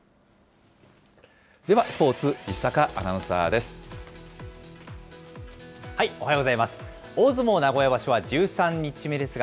ではスポーツ、西阪アナウンサーです。